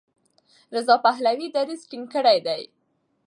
رضا پهلوي دریځ ټینګ کړی دی.